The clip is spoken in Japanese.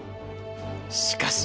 しかし。